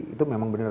itu memang benar